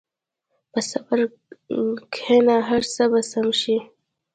په صبر کښېنه، هر څه به سم شي.